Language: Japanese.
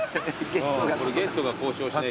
これゲストが交渉しないと。